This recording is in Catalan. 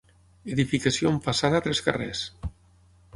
Edificació amb façana a tres carrers.